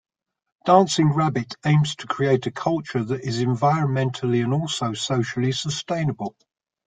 Dancing Rabbit aims to create a culture that is environmentally and also socially sustainable.